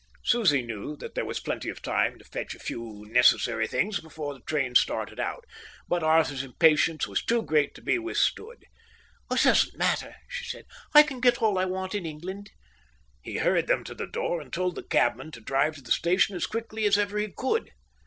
Susie knew that there was plenty of time to fetch a few necessary things before the train started, but Arthur's impatience was too great to be withstood. "It doesn't matter," she said. "I can get all I want in England." He hurried them to the door and told the cabman to drive to the station as quickly as ever he could.